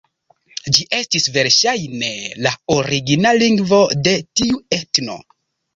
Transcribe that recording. Ĝi estis verŝajne la origina lingvo de tiu etno.